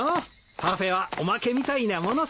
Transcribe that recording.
パフェはおまけみたいなものさ。